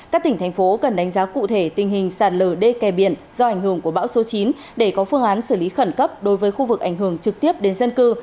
các tỉnh thành phố cần đánh giá cụ thể tình hình sạt lở đê kè biển do ảnh hưởng của bão số chín để có phương án xử lý khẩn cấp đối với khu vực ảnh hưởng trực tiếp đến dân cư